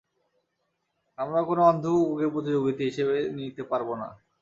আমরা কোনো অন্ধ কুকুরকে প্রতিযোগি হিসেবে নিতে পারবো না।